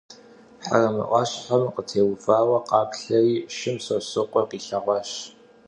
Hereme 'uaşhe khıtêuvaue khaplheri, şşum Sosrıkhue khilheğuaş.